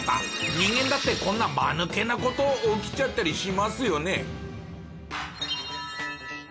人間だってこんなマヌケな事起きちゃったりしますよね。